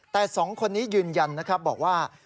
แต่๒คนนี้ยืนยันนะครับบอกว่า